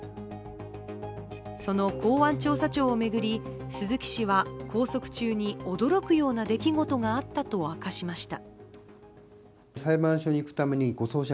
その公安調査庁を巡り鈴木氏は拘束中に驚くような出来事があったと明かしました。